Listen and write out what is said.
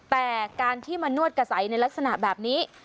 แต่การที่มานวดกระใสในลักษณะแบบนี้